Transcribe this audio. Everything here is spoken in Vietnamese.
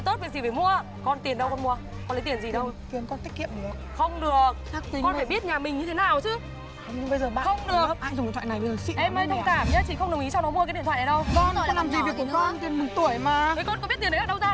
thôi cái tiền này cho con nó nổ rồi